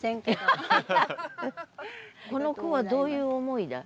この句はどういう思いで？